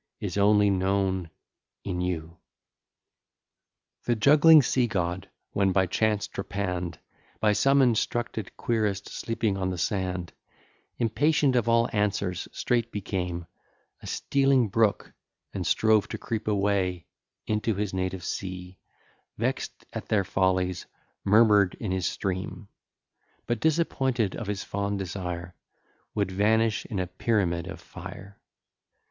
is only known in you. VIII The juggling sea god, when by chance trepann'd By some instructed querist sleeping on the sand, Impatient of all answers, straight became A stealing brook, and strove to creep away Into his native sea, Vex'd at their follies, murmur'd in his stream; But disappointed of his fond desire, Would vanish in a pyramid of fire.